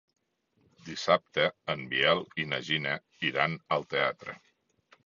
Dissabte en Biel i na Gina iran al teatre.